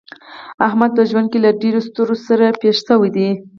احمد په ژوند کې له ډېرو ستړو سره پېښ شوی دی.